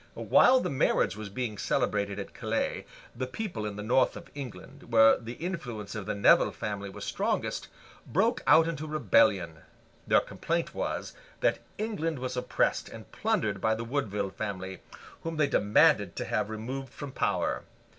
While the marriage was being celebrated at Calais, the people in the north of England, where the influence of the Nevil family was strongest, broke out into rebellion; their complaint was, that England was oppressed and plundered by the Woodville family, whom they demanded to have removed from power.